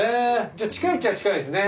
じゃ近いっちゃ近いですね。